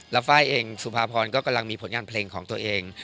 แล้วไฟล์เองสุภาพรก็กำลังมีผลงานเพลงของตัวเอง